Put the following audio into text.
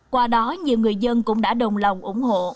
qua đó nhiều người dân cũng đã đồng lòng ủng hộ